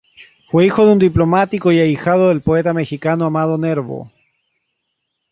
Fue hijo de un diplomático y ahijado del poeta mexicano Amado Nervo.